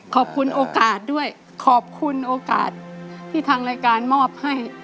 ขอบคุณโอกาสด้วยขอบคุณโอกาสที่ทางรายการมอบให้